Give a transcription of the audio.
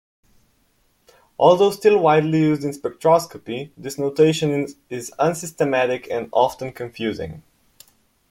Although still widely used in spectroscopy, this notation is unsystematic and often confusing.